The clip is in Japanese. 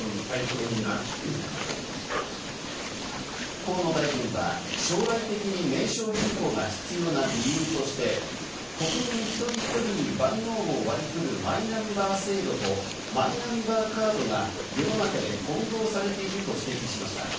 河野大臣は将来的に名称変更が必要な理由として、国民一人一人に番号を割り振るマイナンバー制度とマイナンバーカードが世の中で混同されていると指摘しました。